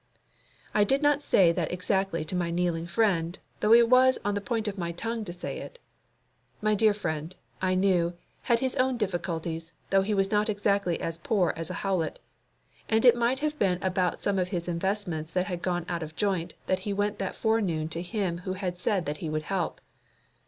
I did not say that exactly to my kneeling friend, though it was on the point of my tongue to say it. My dear friend, I knew, had his own difficulties, though he was not exactly as poor as a howlet. And it might have been about some of his investments that had gone out of joint that he went that forenoon to Him who had said that He would help.